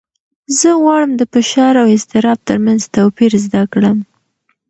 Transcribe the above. زه غواړم د فشار او اضطراب تر منځ توپیر زده کړم.